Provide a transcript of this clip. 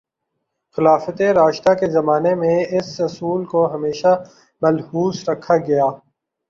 خلافتِ راشدہ کے زمانے میں اس اصول کو ہمیشہ ملحوظ رکھا گیا